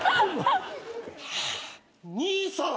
兄さん！